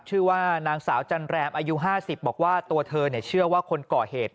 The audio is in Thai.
ชื่อว่านางสาวจันแรมอายุ๕๐บอกว่าตัวเธอเชื่อว่าคนก่อเหตุ